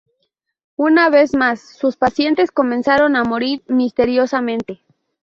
Una vez más, sus pacientes comenzaron a morir misteriosamente.